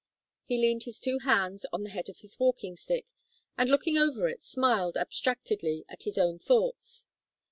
He leaned his two hands on the head of his walking stick, and looking over it, smiled abstractedly at his own thoughts.